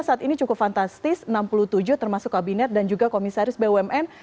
saat ini cukup fantastis enam puluh tujuh termasuk kabinet dan juga komisaris bumn